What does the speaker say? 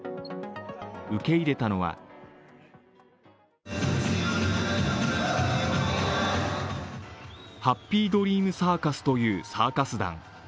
受け入れたのはハッピードリームサーカスというサーカス団。